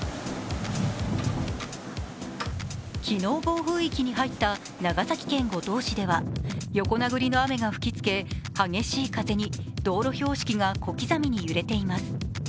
昨日、暴風域に入った長崎県五島市では横殴りの雨が吹きつけ、激しい風に道路標識が小刻みに揺れています。